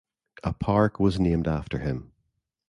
A park was named after him.